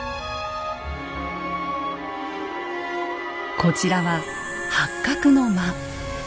こちらは八角の間。